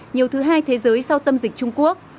nhiều thứ hai thế giới sau tâm dịch trung quốc